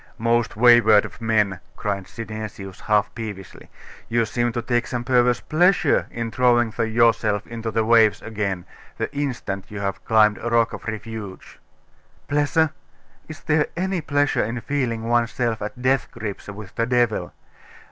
'Most wayward of men!' cried Synesius, half peevishly; 'you seem to take some perverse pleasure in throwing yourself into the waves again, the instant you have climbed a rock of refuge!' 'Pleasure? Is there any pleasure in feeling oneself at death grips with the devil?